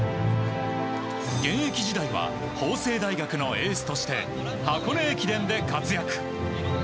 現役時代は法政大学のエースとして箱根駅伝で活躍。